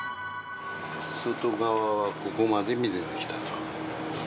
外側がここまで水が来たと。